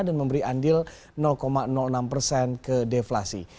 memberi andil enam persen ke deflasi